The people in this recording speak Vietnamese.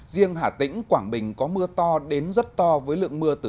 riêng hà tĩnh quảng bình có mưa to đến rất to với lượng mưa từ